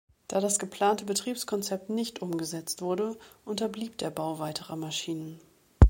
Da das geplante Betriebskonzept nicht umgesetzt wurde, unterblieb der Bau weiterer Maschinen.